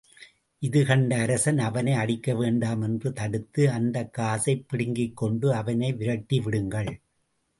இதுகண்ட அரசன் அவனை அடிக்க வேண்டாம் என்று தடுத்து, அந்தக் காசைப் பிடுங்கிக் கொண்டு அவனை விரட்டிவிடுங்கள்.